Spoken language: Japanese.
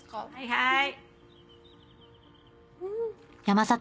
はい。